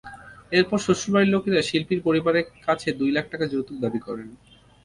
এরপর শ্বশুরবাড়ির লোকেরা শিল্পীর পরিবারের কাছে দুই লাখ টাকা যৌতুক দাবি করে।